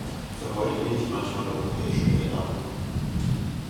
Vergeudet Ihr nicht manchmal europäische Gelder?